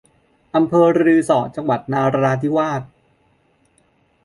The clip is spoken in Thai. อำเภอรือเสาะ จังหวัดนราธิวาส